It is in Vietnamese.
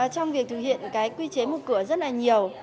trong việc thực hiện quy chế một cửa rất nhiều